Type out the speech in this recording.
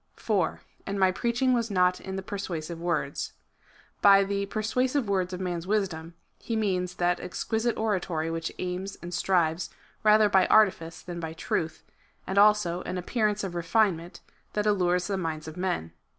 4. And my preaching was not in the persuasive words. By the persuasive words of Tnan's wisdom, he means that exquisite oratory which aims and strives rather by artifice than by truth, and also an appearance of refinement, that allures the minds of men.